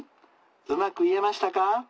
うまく言えましたか？